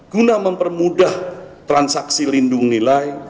guna mempermudah transaksi lindung nilai